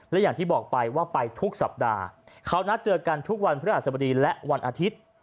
และอย่างที่บอกไปว่าไปทุกสัปดาห์เขานัดเจอกันทุกวันพฤหัสบดีและวันอาทิตย์